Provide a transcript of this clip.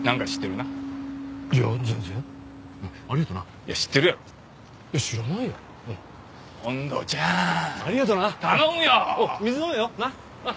なっ！